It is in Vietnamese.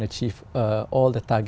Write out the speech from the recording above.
để chúng ta có thể thành công